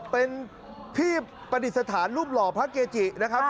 เป็นที่ประดิษฐานรูปหล่อพระเกจินะครับ